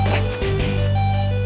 ya harusnya cepet